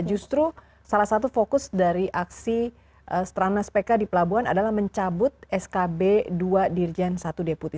justru salah satu fokus dari aksi strana spk di pelabuhan adalah mencabut skb dua dirjen satu deputi